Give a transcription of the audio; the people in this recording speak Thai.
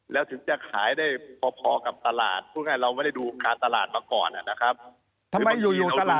แล้วถึงจะขายได้พอกับตลาดพูดง่ายเราไม่ได้ดูการตลาดมาก่อนนะครับ